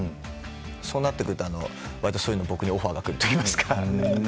そうなってくるとわりとそういうのに僕にオファーがくるというか。